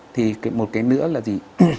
thì một cái nữa là gì